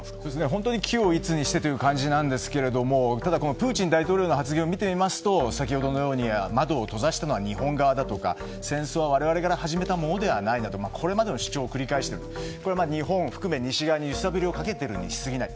本当に軌を一にしてということなんですがただ、プーチン大統領の発言を見ていますと先ほどのように窓を閉ざしたのは日本側とか戦争は我々が始めたものではないと主張している日本を含めて西側に揺さぶりをかけているに過ぎない。